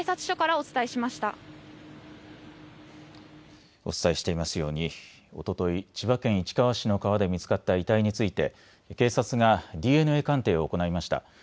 お伝えしていますようにおととい千葉県市川市の川で見つかった遺体について警察がＤＮＡ鑑定を行いました。